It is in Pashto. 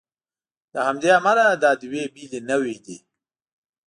له همدې امله دا دوې بېلې نوعې دي.